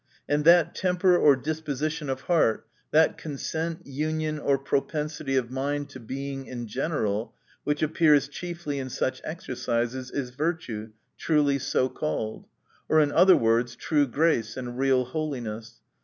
— And that temper or disposition of heart, that consent, union, or propensity of mind to Being in general, which appears chiefly in such exercises, is virtue, truly so called ; or in other words, true grace and real holiness.